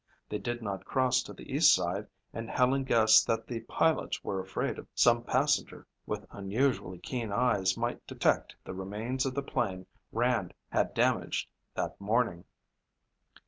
They did not cross to the east side and Helen guessed that the pilots were afraid some passenger with unusually keen eyes might detect the remains of the plane Rand had damaged that morning.